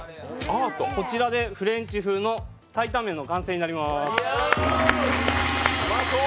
こちらでフレンチ風の鯛担麺の完成になります。